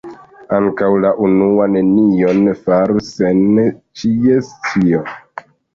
Ankaŭ la unua nenion faru sen ĉies scio.